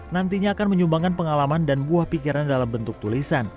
nantinya akan menyumbangkan pengalaman dan buah pikiran dalam bentuk tulisan